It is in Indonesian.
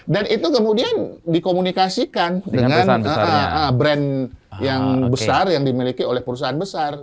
dan itu kemudian dikomunikasikan dengan brand yang besar yang dimiliki oleh perusahaan besar